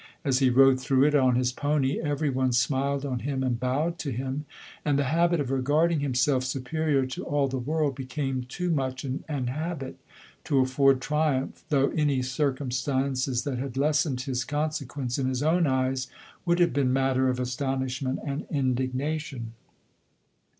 As he rode through it on his pony, every one smiled on him and bowed to him ; and the habit of regarding him LODORE. 73 self superior to all the world, became too much an habit to afford triumph, though any circumstances that had lessened his conse quence in his own eyes would have been matter of astonishment and indignation.